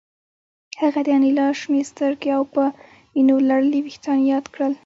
هغه د انیلا شنې سترګې او په وینو لړلي ویښتان یاد کړل